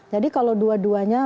jadi kalau dua duanya